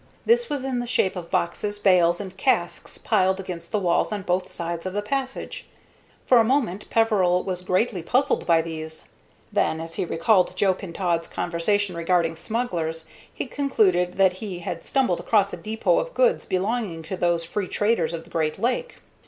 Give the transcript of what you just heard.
This was in the shape of boxes, bales, and casks piled against the walls on both sides of the passage. For a moment Peveril was greatly puzzled by these; then, as he recalled Joe Pintaud's conversation regarding smugglers, he concluded that he had stumbled across a depot of goods belonging to those free traders of the great lake.